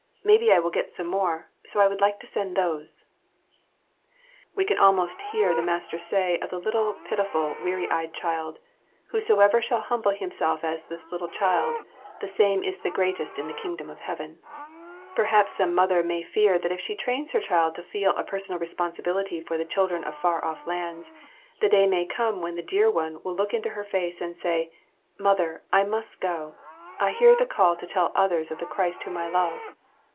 Maybe I will get some more, so I would like to send those.'" We can almost hear the Master say of the little, pitiful, weary eyed child, "Whosoever shall humble himself as this little child, the same is the greatest in the Kingdom of Heaven." [Sidenote: Giving our children.] Perhaps some mother may fear that if she trains her child to feel a personal responsibility for the children of far off lands the day may come when the dear one will look into her face and say, "Mother, I must go. I hear the call to tell others of the Christ whom I love!"